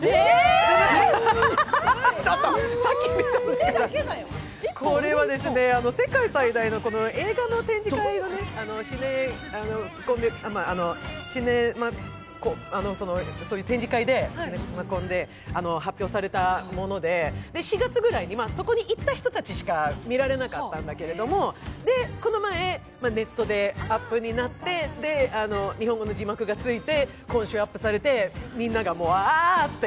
ちょっと、さっき見たのにこれは世界最大の映画の展示会のシネコンで発表されたもので、４月くらいに、そこに行った人たちしか見られなかったんだけれども、この前、ネットでアップになって日本語の字幕がついて今週アップされてみんなが「あ！」って。